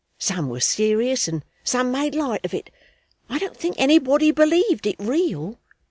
Some were serious and some made light of it; I don't think anybody believed it real.